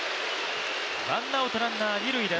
ワンアウトランナー、二塁です。